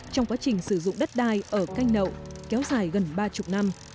trong quá trình sử dụng đất đai ở canh nậu kéo dài gần ba mươi năm